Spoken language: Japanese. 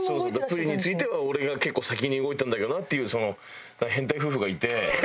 「プリンについては俺が結構先に動いてたんだけどな」っていうその変態夫婦がいて。